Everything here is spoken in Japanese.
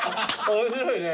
面白いね。